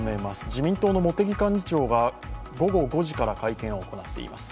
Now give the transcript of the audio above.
自民党の茂木幹事長は午後５時から会見を行っています。